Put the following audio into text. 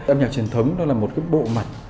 âm nhạc truyền thống nó là một cái bộ mặt